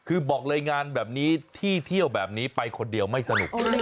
คือบอกเลยงานแบบนี้ที่เที่ยวแบบนี้ไปคนเดียวไม่สนุก